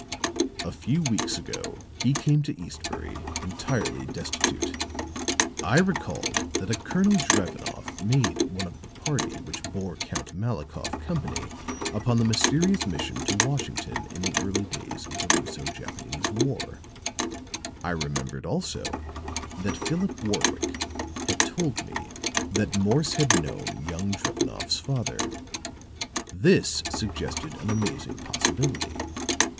A few weeks ago he came to Eastbury entirely destitute. I recalled that a Colonel Drevenoff made one of the party which bore Count Malikoff company upon the mysterious mission to Washington in the early days of the Russo Japanese war; I remembered also that Philip Warwick had told me that Morse had known young Drevenoff's father. "This suggested an amazing possibility.